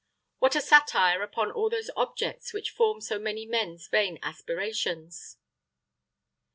What a satire upon all those objects which form so many men's vain aspirations!